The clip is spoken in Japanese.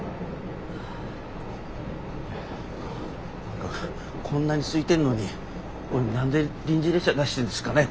何かこんなにすいてんのに何で臨時列車出してんですかね？